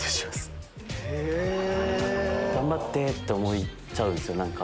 頑張って！って思っちゃうんですよ